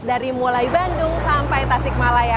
dari mulai bandung sampai tasikmalaya